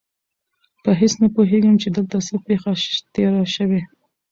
په هېڅ نه پوهېږم چې دلته څه پېښه تېره شوې.